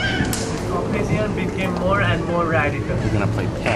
His opinions became more and more radical.